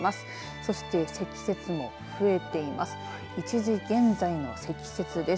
そして、積雪も増えています。